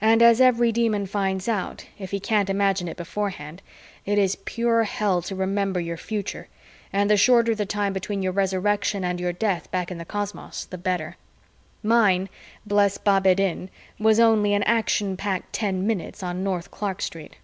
And as every Demon finds out, if he can't imagine it beforehand, it is pure hell to remember your future, and the shorter the time between your Resurrection and your death back in the cosmos, the better. Mine, bless Bab ed Din, was only an action packed ten minutes on North Clark Street.